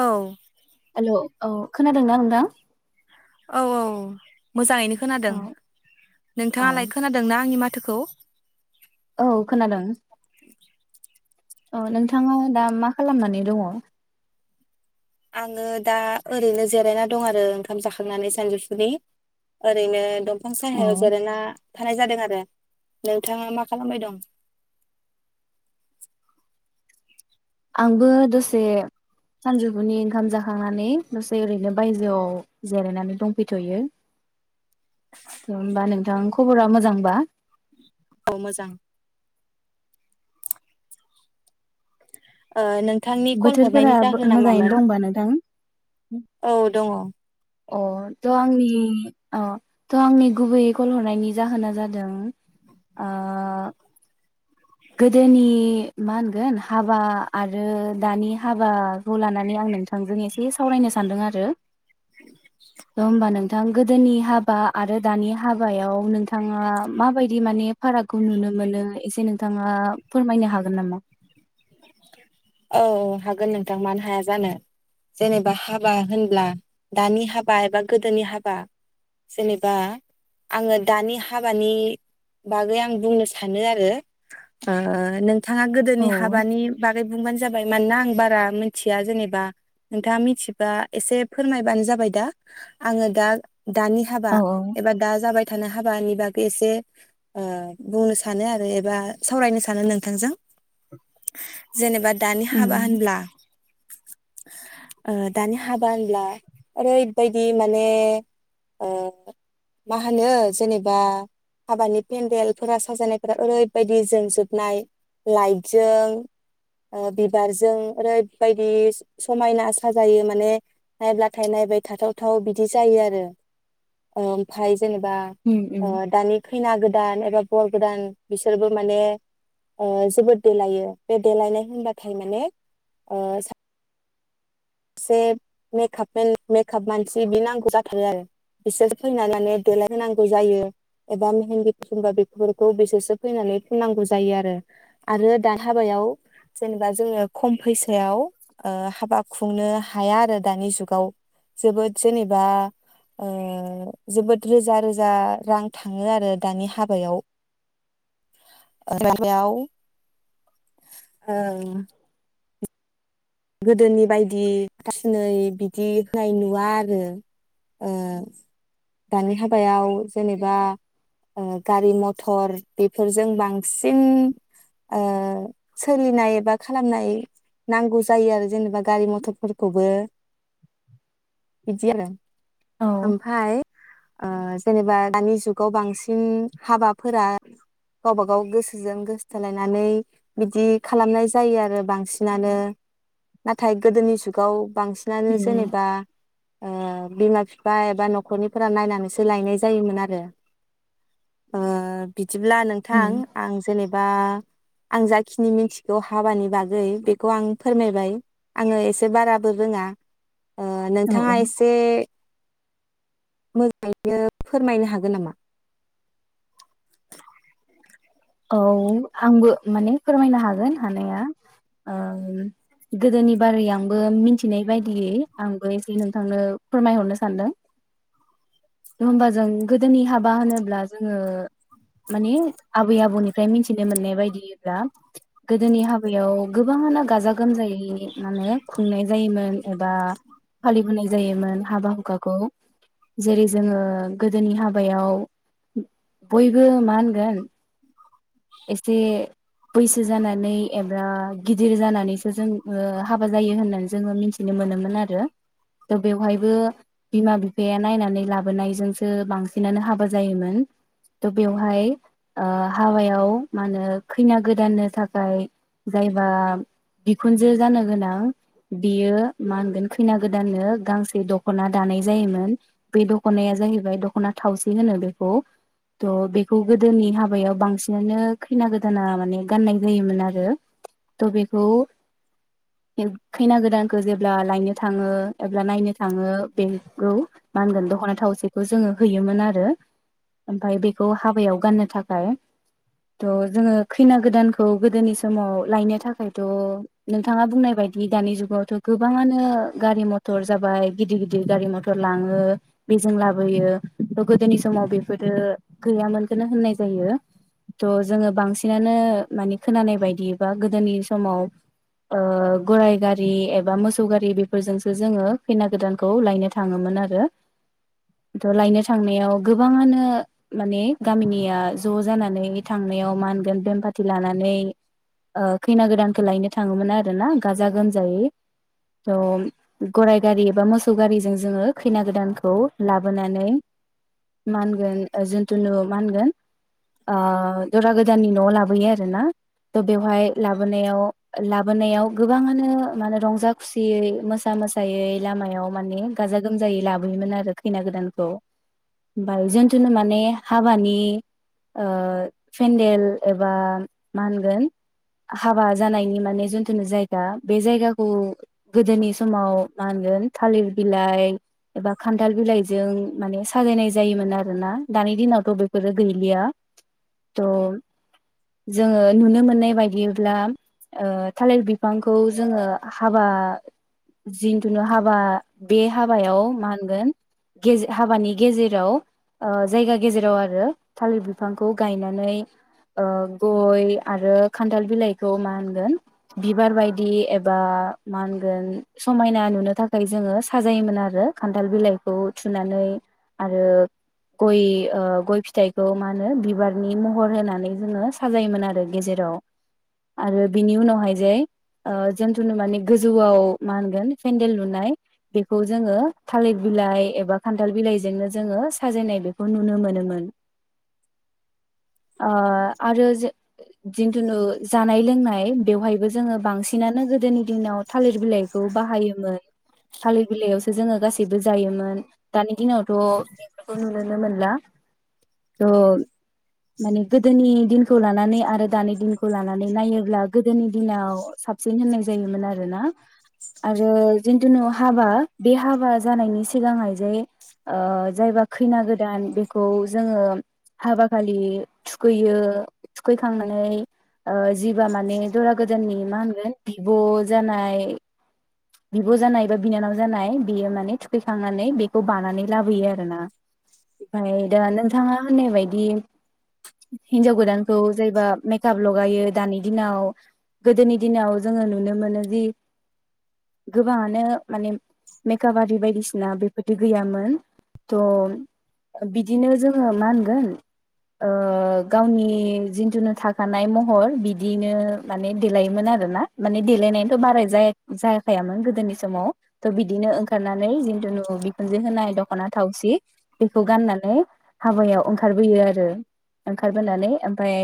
औ। हेलौ औ खोनादोंना नोंथां? औ औ। मोजाङैनो खोनादों औ औ नोंथाङालाय खोनादोंना आंनि माथो? माथोखौ? औ खोनादों। [inaudible] अ नोंथाङा दा मा खालामनानै दङ? आङो दा ओरैनो जिरायना दं आरो ओंखाम जाखांनानै सानजौफुनि ओरैनो बिफां औ साहायाव जेरायना थानाय जादों आरो। नोंथाङा मा खालामबाय दं? आंबो दसे सानजौफुनि ओंखाम जाखांनानै दसे ओरैनो बायजोआव जिरायनानै दंफैथ'यो थ होमबा नोंथां खबरा मोजांबा? औ मोजां। ओ नों नोंथांनि कल बोथोरफोरा हरनायनि जाहोन ना मोजाङैनो मामोन दंबा नोंथां? औ दङ। अ थ' आंनि अ थ' आंनि गुबैयै कल हरनायनि जाहोना जादों ओ गोदोनि मा होनगोन हाबा आरो दानि हाबाखौ लानानै आं नोंथांजों एसे सावरायनो सानदों आरो। [inaudible] [unintelligible] नोंथां गोदोनि हाबा आरो दानि हाबायाव नोंथाङा माबायदि माने फारागखौ नुनो मोनो एसे नों नोंथाङा फोरमायनो हागोन नामा? औ औ हागोन नोंथां मानो हाया जानो जेनेबा हाबा होनब्ला दानि हाबा एबा गोदोनि हाबा जेनेबा आङो दानि हाबानि बागै आं बुंनो सानो आरो नों बिथाङा औ गोदोनि हाबानि बागै बुंबानो जाबाय मानोना आं बारा मिथिया जेनेबा नोंथाङा मिथिबा एसे फोरमायबानो जाबाय दा आङो दा। दानि हाबा औ एबा दा जाबाय हाबानि बागै एसे बुंनो सानो आरो एबा सावरायनो सानो नोंथांजों। जेनेबा दानि उम हाबा होनब्ला ओ दानि हाबा होनब्ला ओरैबायदि माने ओ मा होनो जेनेबा हाबानि पेन्देलफोरा साजानायफोरा ओरैबायदि जोंजोबनाय लाइटजों बिबारजों ओरैबायदि समायना आसा जायो माने नायब्लाथाय नायबाय थाथावथाव बिदि जायो आरो ओमफ्राय। जेनेबा उम ओ उम दानि खैना गो दान एबा बर गोदान बिसोरबो माने जोबोद देलायो बे देलायनाय होनबाथाय माने ओ एसे मेकपेन मेकप मानसि बि नांगौ जाथारो आरो बिसोर फैनानैनानै देलाय होनांगौ जायो एबा मेहेन्दि फुनबा बेफोरखौ बिसोरसो फैनानै फुनांगौ जायो आरो, आरो दा हाबायाव जेनेबा जोङो खम फैसायाव ओ हाबा खुंनो हाया आरो दानि जुगाव, जोबोद जेनेबा ओ जोबोद रोजा रोजा रां थाङो आरो दानि हाबायाव। [unintelligible] औ। गोदोनि बायदि हाथासुनै बिदि होनाय नुवा आरो दानि हाबायाव। जेनेबा ओ गारि म टर बेफोरजों बांसिन ओ सोलिनाय एबा खालामनाय नांगौ। जायो आरो जेनेबा गारि मथरफोरखौबो बिदि आरो। ओमफाय जेनेबा दानि जुगाव बांसिन हाबाफोरा गावबा गाव गोसोजों गोसोथोलायनानै बिदि खालामनाय जायो आरो बांसिनानो। नाथाय गोदोनि जुगाव बांसिनानो जेनेबा ओ बिमा बिफा एबा न'खरनिफोरा नायनानैसो लायनाय जायोमोन आरो बि दिब्ला नोंथां उम आं जेनेबा आं जाखिनि मिथिगौ हाबानि बागै बेखौ आं फोरमायबाय आङो एसे बाराबो रोङा ओ औ औ नोंथाङा एसे मोजाङैनो फोरमायनो हागोन नामा? औ आंबो माने फोरमायनो हागोन हानाया ओ गोदोनि बारै आंबो मिथिनाय बायदियै आंबो एसे नोंथांनो फोरमायहरनो सानदों होमबा जों गोदोनि हाबा होनोब्ला जोङो माने आबै आबौनिफ्राय मिथिनो मोननाय बायदिब्ला गोदोनि हाबायाव गोबाङानो गाजा गोमजायै माने खुंनाय जायोमोन एबा फालिबोनाय जायोमोन हाबा हुखाखौ जेरै जोङो गोदोनि हाबायाव बयबो मा होनगोन एसे फैसा जो जानानै एबा गिदिर जानानैसो जों हाबा जायो होननानै जोङो मिथिनो मोनोमोन आरो त' बेवहायबो बिमा बिफाया नायनानै लाबोनायजोंसो बांसिनानो हाबा जायोमोन थ' बेवहाय हाबाय आव मा होनो खैना गोदाननो थाखाय जायबा बिखुनजो जानो गोनां बियो मा होनगोन खैना गोदाननो गांसे दख'ना दानाय जायोमोन बे दख'नाया जाहैबाय दख'ना थावसि होनो बेखौ थ बेखौ गोदोनि हाबायाव बांसि बिदिनो खैना गोदाना माने गाननाय जायोमोन आरो थ' बेखौ खैना गोदानखौ जेब्ला लायनो थाङो एब्ला नायनो थाङो बेखौ मा होनगोन दख'ना थावसेखौ जोङो होयोमोन आरो ओमफाय बेखौ हाबायाव गाननो थाखाय थ' जोङो खैना गोदानखौ गोदोनि समाव लायनो थाखायथ' नोंथाङा बुंनाय बायदि दानि जुगावथ' गोबाङानो गारि मथर जाबाय गिदिर गिदिर गारि मथर लाङो बेजों लाबोयो थ' गोदोनि समाव बेफोरो गैयामोनखौनो होननाय जायो थ' जोङो बांसिनानो माने खोनानाय बायदिबा गोदोनि समाव ओ गराइ गारि एबा मोसौ गारि बेफोरजोंसो जोङो खैना गोदानखौ लायनो थाङोमोन आरो थ' लायनो थांनायाव गोबाङानो माने गामिनिया ज' जानानै थांनायाव मा होनगोन बेमपारटि लानानै ओ खैना गोदान खो लायनो थाङोमोन आरोना गाजा गोमजायै थ' गराय गारि बा मोसौ गारिजों जोङो खैना गोदानखौ लाबोनानै मा होनगोन जिनथुुनु मा होनगोन ओ ओ दरा गोदाननि न'आव लाबोयो आर ना थ' बेवहाय लाबोनायाव लाबोनायाव गोबाङानो माने रंजा खुसियै मोसा मोसायै लामायाव माने गाजा गोमजायै लाबोयोमोन आरो खैना गोदानखौ बाल जिन्थुुनु माने हाबानि ओ पेन्देल एबा मा होनगोन हाबा जानायनि माने जिथुुनु जायगा बे जायगाखौ गोदोनि समाव मा होनगोन थालिर बिलाइ एबा खान्थाल बिलाइजों माने साजायनाय जायोमोन आरोना दानि दिनावथ' बेफोरो गैलिया। थ' जोङो नुनो मोननाय बायदिब्ला ओ थालिर बिफांखौ जोङो हाबा जिन्थुुनु हाबा बे हाबायाव मा होनगोन गेजे हाबानि गेजेराव ओ जायगा गेजेराव आरो थालिर बिफांखौ गायना नै ओ गय आरो खान्थाल बिलाइखौ मा होनो बिबार बायदि एबा मा होनगोन समायना नुनो थाखाय जोङो साजायोमोन आरो खान्थाल बिलाइखौ थुनानै आरो गय ओ गय फिथाइखौ मा होनो बिबार नि महर होनानै जोङो साजायोमोन आरो गेजेराव आरो बिनि उनावहाय जे ओ जिन्थुुनु माने गोजौआव मा होनगोन पेन्देल लुनाय बेखौ जोङो थालिर बिलाइ एबा खान्थाल बिलाइजोंनो जोङो साजायनाय बेखौ नुनो मोनोमोन। आ आरो जे जिन्थुनु जानाय लोंनाय नाय बेवहायबो जोङो बांसिनानो गोदोनि दिनाव थालिर बिलाइखौ बाहायोमोन थालिर बिलाइयावसो जोङो गासै जबो जायोमोन दानि दिनावथ' बेफोरखौ नुुनोनो मोनला थ' माने गोदोनि दिनखौ लानानै आरो दानि दिनखौ लानानै नायोब्ला गोदोनि दिनाव साबसिन होननाय जायोमोन आरोना आरो जिथुुनु हाबा बे हाबा जानायनि सिगाङहाय जे ओ जायबा खैना गोदान बेखौ जोङो हाबा खालि थुखैयो थुखैखांनानै ओ जिबा माने दरा गोदाननि मा होनगोन बिब' जानाय बिब' जानाय एबा बिनानाव जानाय बेयो माने थुखैखांनानै बेखौ बानानै लाबोयो आरो ना ओमफाय दा नोंथाङा होननाय बायदि दि हिजाव गोदान खौ जायबा मेकाप लगायो दानि दिनाव गोदोनि दिनाव जोङो नुनो मोनो जि गोबाङानो माने मेकाप आरि बायदिसि ना बेफोरदि गैयामोन थ' बिदिनो जोङो मा होनगोन ओ गावनि जिन्थुनु थाखानाय महर बिदियैनो माने देलायोमोन आरोना माने देलायनायथ' बाराय जाया जायाखायामोन गोदोनि समाव थ' बिदिनो ओंखारनानै जिथुुनु बिखुनजो होनाय दख'ना थावसि बेखौ गाननानै हाबायाव ओंखार खारबोयो आरो ओंखारबोनानै ओमफाय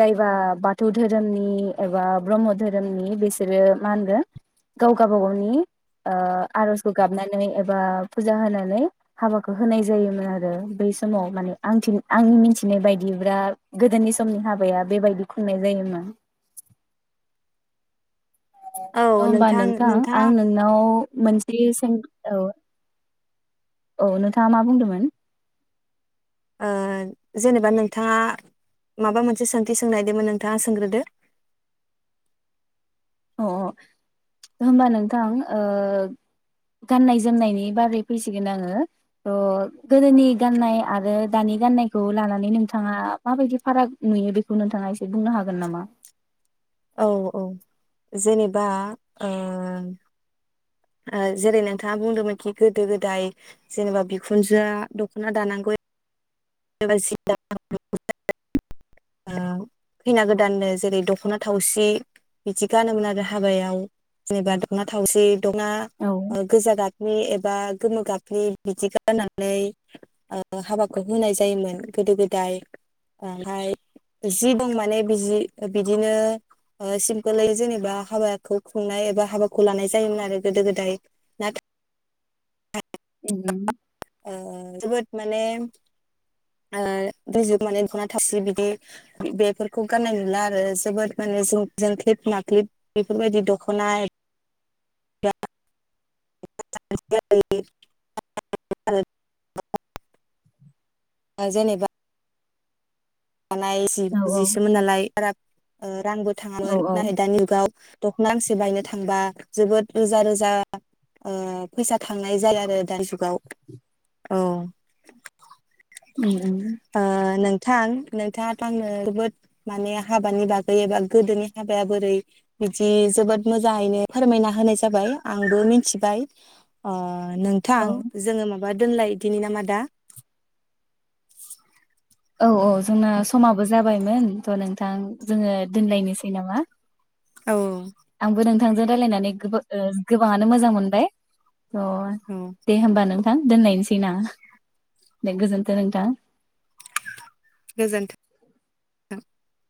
जायबा बाथौ धोरोमनि एबा ब्रह्म धोरोमनि बिसोरो मा होनगोन गाव गाबागावनि ओ आर'जखौ गाबनानै एबा फुजा होनानै हाबाखौ होनाय जायोमोन आरो। रो बै समाव माने आंनि मिथिनाय बायदिब्ला गोदोनि समनि हाबाया बेबायदि खुंनाय जायोमोन। औ अ होमबा नोंथां नोंथाङा आं नोंनाव मोनसे सों औ औ नोंथाङा मा बुंदोंमोन? ओ जेनेबा नोंथाङा माबा मोनसे सोंथि सोंनायदोंमोन नोंथाङा सोंग्रोदो। अ अ होमबा नोंथां ओ गाननाय जोमनायनि बागै फैसिगोन आङो थ' गोदोनि गाननाय आरो दानि गाननायखौ लानानै नोंथाङा माबायदि फाराग नुयो बेखौ नोंथाङा एसे बुंनो हागोन नामा? औ औ जेनेबा ओ ओ जेरै नोंथाङा बुंदोंमोनखि गोदो गोदाय जेनेबा बिखुनजोआ दख'ना दानांगौ [unintelligible] ओ खैना गोदाननो जेरै दख'ना थावसि बिदि गानोमोन आरो हाबायाव जेनेबा दख'ना थावसि दङा औ ओ गोजा गाब नि एबा गोमो गाखनि बिदि गाननानै ओ हाबाखौ होनाय जा जायोमोन गोदो गोदाय ओमफाय जि बुं माने बिजि-बिदिनो ओ सिमपोलै जेनेबा हाबाखौ खुंनाय एबा हाबाखौ लानाय जायोमोन आरो गोदो गोदाय नाथा उम ओ जोबोद माने ओ दैजुख माने दख'ना थास बिदि बेफोरखौ गाननाय नुला आरो जोबोद माने जों जोंख्लिब माख्लिब बेफोरबायदि दख'ना [unintelligible] ओ जेनेबा मानाय सि औ जिसोमोन नालाय बारा ओ रांबो औ थाङामोन औ नाथाय दानि जुगाव दख'ना गांसे बायनो थांबा जोबोद रोजा रोजा ओ फैसा थांनाय जायो आरो दानि जुगाव औ। उम उम ओ नों थां नोंथाङाथ' नोगोद माने हाबानि बागै एबा गोदोनि हाबाया बोरै बिदि जोबोद मोजाङैनो फोरमायना होनाय जाबाय आंबो मिथिबाय ओ औ नोंथां जोङो माबा दोनलायदि नामा दा? औ औ जोंना समाबो जाबायमोन थ' नोंथां जोङो दोनलायनोसै नामा? औ आंबो नों थांजों रायलायनानै गोब-गोबाङानो मोजां मोनबाय। अ औ दे होमबा नों थां दोननायनोसै ना दे गोजोन्थों नोंथां। गोजोन्थों। [inaudible]